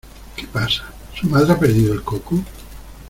¿ Qué pasa? ¿ su madre ha perdido el coco ?